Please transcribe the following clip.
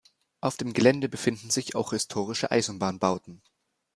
Auf dem Gelände befinden sich auch historische Eisenbahnbauten.